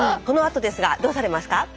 このあとですがどうされますか？